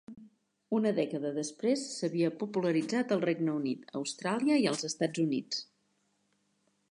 Una dècada després s'havia popularitzat al Regne Unit, Austràlia i els Estats Units.